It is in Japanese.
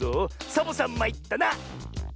「サボさんまいったな」！